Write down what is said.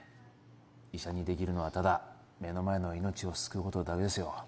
医者にできるのはただ目の前の命を救うことだけですよ